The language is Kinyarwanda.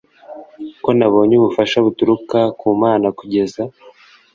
ko nabonye ubufasha buturuka ku mana kugeza